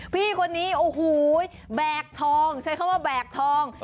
พี่คนนี้โอ้โหแบกทองใช้คำว่าแบกทอง